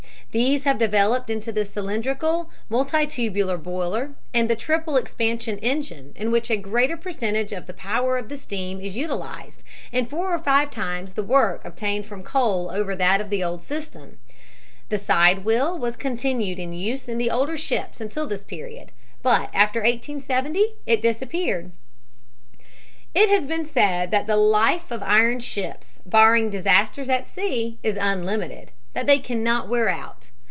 These have developed into the cylindrical, multitubular boiler and the triple expansion engine, in which a greater percentage of the power of the steam is utilized and four or five times the work obtained from coal over that of the old system. The side wheel was continued in use in the older ships until this period, but after 1870 it disappeared. It has been said that the life of iron ships, barring disasters at sea, is unlimited, that they cannot wear out.